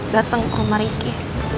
dateng ke rumah ricky